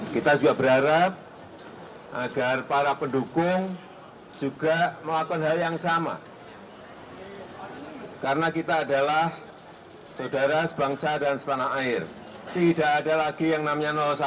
kedua tokoh mengajak para pendukungnya untuk mengakhiri konflik antara pendukung capres